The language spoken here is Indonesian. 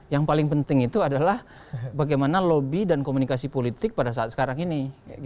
yang paling penting itu adalah bagaimana lobby dan komunikasi politik pada saat sekarang ini